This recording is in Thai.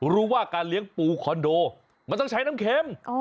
รู้ว่าการเลี้ยงปูคอนโดมันต้องใช้น้ำเข็ม